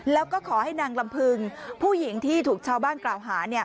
แล้วก็ขอให้นางลำพึงผู้หญิงที่ถูกชาวบ้านกล่าวหา